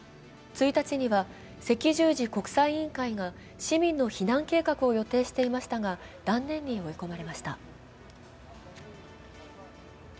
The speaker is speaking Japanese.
１日には、赤十字国際委員会が市民の避難計画を予定していましたが断念に追い込まれました。